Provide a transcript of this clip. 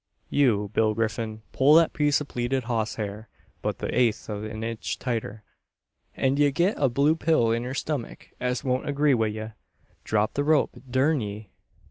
You, Bill Griffin; pull that piece o' pleeted hoss hair but the eighth o' an inch tighter, and ye'll git a blue pill in yer stummuk as won't agree wi' ye. Drop the rope, durn ye!